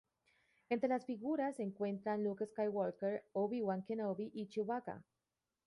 Entre las figuras se encuentran Luke Skywalker, Obi-Wan Kenobi y Chewbacca.